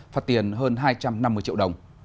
phạt tiền hơn hai trăm năm mươi triệu đồng